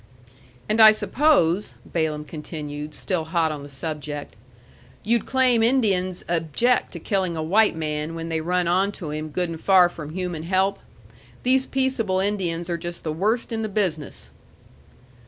"And I suppose," Balaam continued, still hot on the subject, "you'd claim Indians object to killing a white man when they run on to him good and far from human help? These peaceable Indians are just the worst in the business."